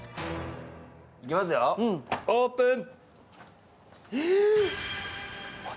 いきますよ、オープン！